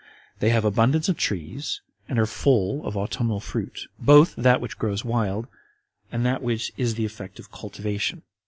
They have abundance of trees, and are full of autumnal fruit, both that which grows wild, and that which is the effect of cultivation.